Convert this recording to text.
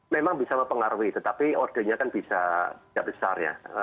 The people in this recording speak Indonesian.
memang bisa mempengaruhi tetapi ordernya kan bisa tidak besar ya